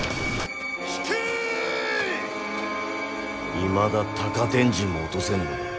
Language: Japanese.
いまだ高天神も落とせぬのか。